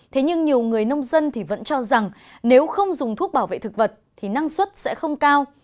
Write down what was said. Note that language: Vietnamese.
thế nhưng nhiều người nông dân vẫn cho rằng nếu không dùng thuốc bảo vệ thực vật thì năng suất sẽ không cao